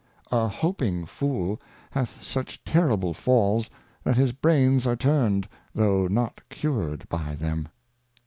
A hoping Fool hath such terrible Falls, that his Brains are turned, though not cured by them.